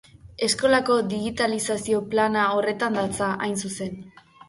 Eskolako digitalizazio plana horretan datza, hain zuzen.